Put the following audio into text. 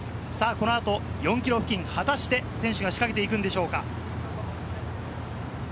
この後、４ｋｍ付近、果たして選手が仕掛けていくんでしょうか？